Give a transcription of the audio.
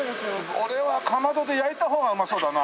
これはかまどで焼いた方がうまそうだな。